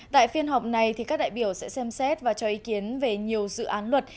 tại phiên họp này các đại biểu sẽ xem xét và cho ý kiến về nhiều dự án luật